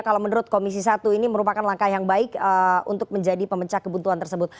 kalau menurut komisi satu ini merupakan langkah yang baik untuk menjadi pemecah kebutuhan tersebut